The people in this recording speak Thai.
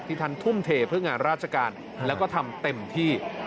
ท่านทุ่มเทเพื่องานราชการแล้วก็ทำเต็มที่